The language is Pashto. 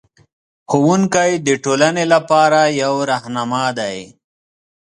ښوونکی د ټولنې لپاره یو رهنما دی.